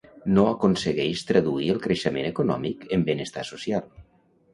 No s'aconsegueix traduir el creixement econòmic en benestar social.